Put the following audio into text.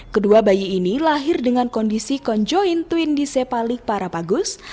kedua bayi ini lahir dengan kondisi konjoin twin dysepalik parapagus